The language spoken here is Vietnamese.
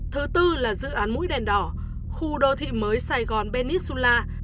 thứ tư là dự án mũi đèn đỏ khu đô thị mới sài gòn benisula